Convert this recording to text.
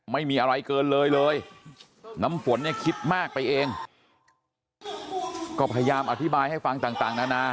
ไม่มีอะไรเกินเลยเลยน้ำฝนเนี่ยคิดมากไปเองก็พยายามอธิบายให้ฟังต่างนานา